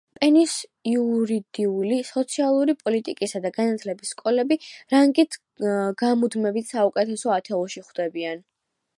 პენის იურიდიული, სოციალური პოლიტიკისა და განათლების სკოლები რანგით გამუდმებით საუკეთესო ათეულში ხვდებიან.